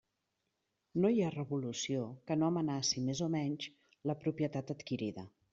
No hi ha revolució que no amenaci més o menys la propietat adquirida.